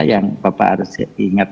yang bapak harus ingat